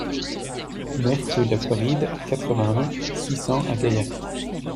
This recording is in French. neuf rue Le Floride, quatre-vingt-un, six cents à Gaillac